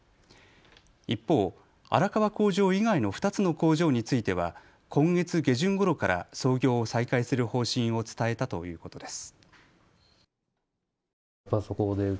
一方、荒川工場以外の２つの工場については今月下旬ごろから操業を再開する方針を伝えたということです。